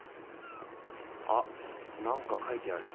あっ何か書いてある。